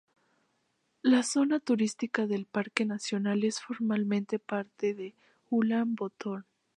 La zona turística del parque nacional es formalmente parte de Ulan Bator.